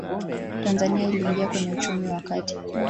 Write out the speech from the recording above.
tanzania iliingia kwenye uchumi wa kati